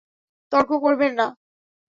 তর্ক করবে না!